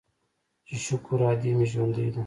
چې شکر ادې مې ژوندۍ ده.